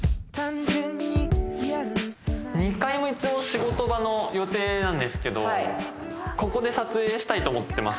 ２階も一応仕事場の予定なんですけどここで撮影したいと思ってます